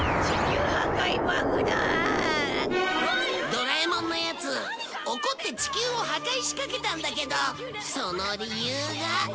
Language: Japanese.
ドラえもんのやつ怒って地球を破壊しかけたんだけどその理由が